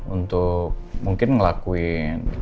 untuk mungkin ngelakuin